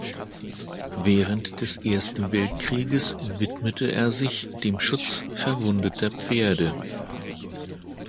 Während des Ersten Weltkrieges widmete er sich dem Schutz verwundeter Pferde.